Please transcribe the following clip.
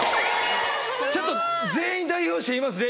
ちょっと全員代表して言いますね。